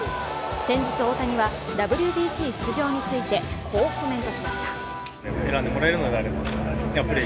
先日、大谷はＷＢＣ出場についてこうコメントしました。